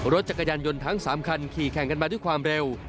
รถจักรยานยนต์ทั้ง๓คันขี่แข่งกันมาด้วยความเร็ว